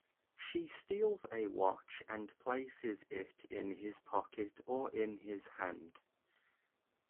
She steals a watch and places it in his pocket or in his hand.